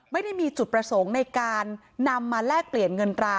ไม่ได้มีจุดประสงค์ในการนำมาแลกเปลี่ยนเงินตรา